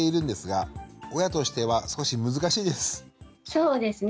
そうですね。